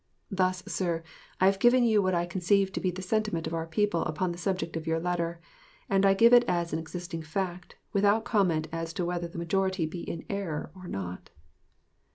Thus, sir, I have given you what I conceive to be the sentiment of our people upon the subject of your letter, and I give it as an existing fact, without comment as to whether the majority be in error or not.